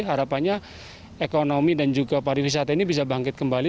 harapannya ekonomi dan juga pariwisata ini bisa bangkit kembali